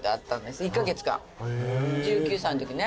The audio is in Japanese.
１９歳のときね。